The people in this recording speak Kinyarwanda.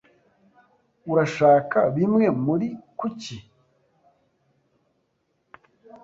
Urashaka bimwe muri kuki?